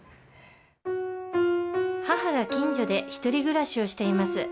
母が近所で独り暮らしをしています。